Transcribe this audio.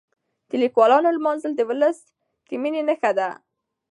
د لیکوالو لمانځل د ولس د مینې نښه ده.